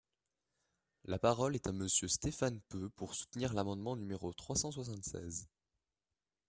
La parole est à Monsieur Stéphane Peu, pour soutenir l’amendement numéro trois cent soixante-seize.